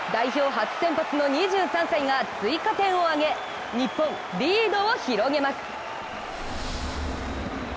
初先発の２３歳が追加点を挙げ日本、リードを広げます。